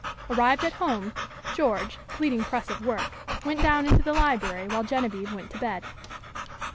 Arrived at home, George, pleading press of work, went down into the library while Genevieve went to bed.